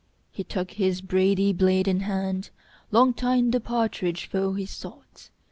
He took his brady blade in hand; Long time the partridge foe he sought.